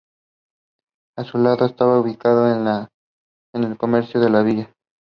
A su lado estaba ubicado el cementerio de la villa.